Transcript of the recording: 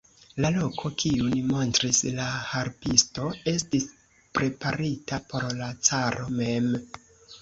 La loko, kiun montris la harpisto, estis preparita por la caro mem.